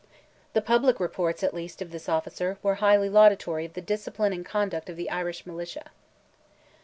The public reports at least of this officer, were highly laudatory of the discipline and conduct of the Irish militia.